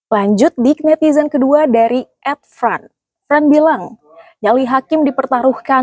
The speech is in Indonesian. lanjut di netizen kedua dari ed fran